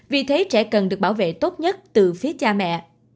vì thế trẻ cần được bảo vệ tốt nhất từ phía cha mẹ